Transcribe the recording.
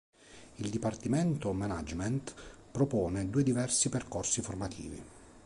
Il Dipartimento Management propone due diversi percorsi formativi.